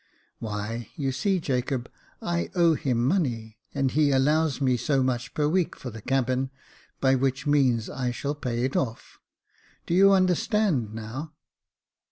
" Why, you see, Jacob, I owe him money, and he allows me so much per week for the cabin, by which means I shall pay it off. IDo you understand now